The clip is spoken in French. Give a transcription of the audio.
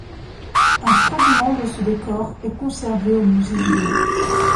Un fragment de ce décor est conservé au musée du Louvre.